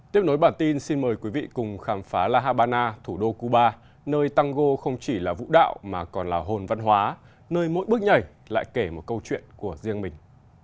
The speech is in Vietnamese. tiếp nối bản tin xin mời quý vị cùng khám phá la habana thủ đô cuba nơi tăng gô không chỉ là vũ đạo mà còn là hồn văn hóa nơi mỗi bước nhảy lại kể một câu chuyện của riêng mình